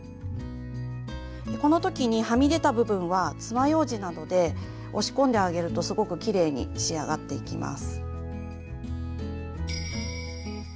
この時にはみ出た部分はつまようじなどで押し込んであげるとすごくきれいに仕上がっていきます。